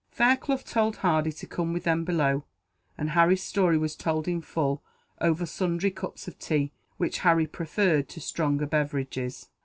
Fairclough told Hardy to come with them below, and Harry's story was told in full, over sundry cups of tea, which Harry preferred to stronger beverages.